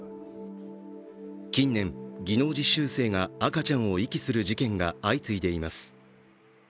近年、技能実習生が赤ちゃんを遺棄する事件が相次いでいます。